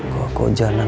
gue ke hujanan